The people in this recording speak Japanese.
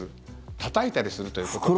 たたいたりするということから。